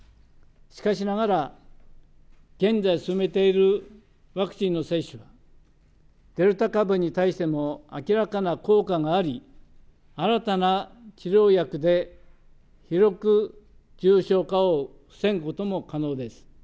しかしながら、現在進めているワクチンの接種、デルタ株に対しても明らかな効果があり、新たな治療薬で広く重症化を防ぐことも可能です。